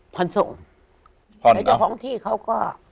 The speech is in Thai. ส่งแล้วเจ้าของที่เขาก็